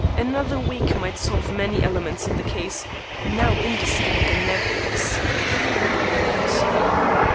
Another week might solve many elements in the case now indistinct and nebulous. He would wait.